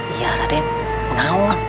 iya raden kenapa